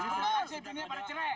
ini sejajarnya pada cerai